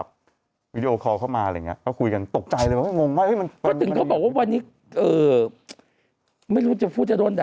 บางทีวันนี้เรารู้นะ